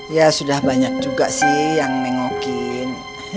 ya sudah banyak juga sih yang nengokin